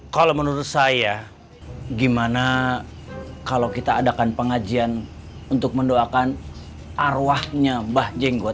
kalau menurut saya gimana kalau kita adakan pengajian untuk mendoakan arwahnya mbah jenggot